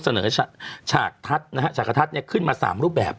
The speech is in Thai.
เสนอฉากทัศน์ขึ้นมา๓รูปแบบ